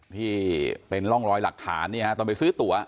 ที่เป็นร่องรอยหลักฐานตอนไปซื้อตั๋ว